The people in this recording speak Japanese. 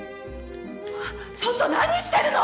ちょっと何してるの！